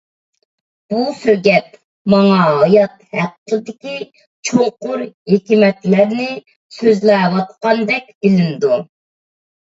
بۇ سۆگەت ماڭا ھايات ھەققىدىكى چوڭقۇر ھېكمەتلەرنى سۆزلەۋاتقاندەك بىلىنىدۇ.